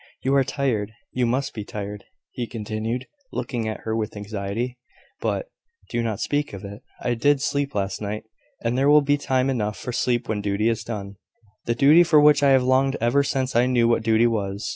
You are tired, you must be tired," he continued, looking at her with anxiety: "but " "Do not speak of it. I did sleep last night, and there will be time enough for sleep when duty is done, the duty for which I have longed ever since I knew what duty was."